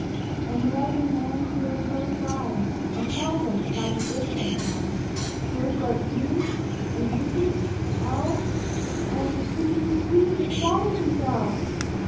An The Raggedv Man, he knows most rhymes An tells cm, ef 1 he good, sometimes: Knows bout fiitints, an Griffuns, an Elves, An the Sqtiidgicum Squees at swallers therselves